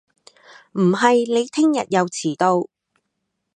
唔係你聽日又遲到